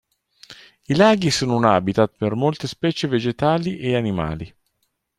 I laghi sono un habitat per molte specie vegetali e animali.